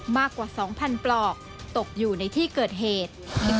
มากกว่า๒๐๐ปลอกตกอยู่ในที่เกิดเหตุ